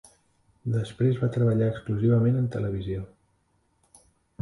Després va treballar exclusivament en televisió.